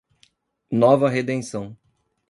Nova Redenção